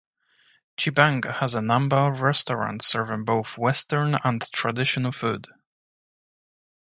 Tchibanga has a number of restaurants serving both Western and traditional food.